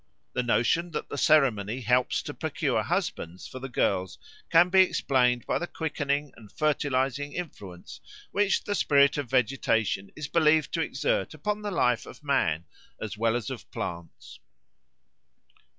The notion that the ceremony helps to procure husbands for the girls can be explained by the quickening and fertilising influence which the spirit of vegetation is believed to exert upon the life of man as well as of plants.